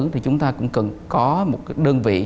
thì chúng ta cũng cần có một đơn vị